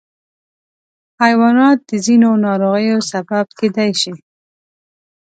حیوانات د ځینو ناروغیو سبب کېدای شي.